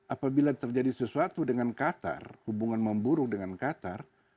apabila terjadi sesuatu dengan qatar hubungan memburuk dengan qatar